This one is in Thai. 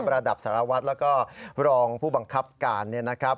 ระดับสารวัตรแล้วก็รองผู้บังคับการเนี่ยนะครับ